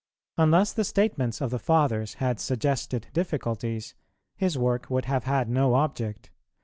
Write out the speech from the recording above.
Unless the statements of the Fathers had suggested difficulties, his work would have had no object.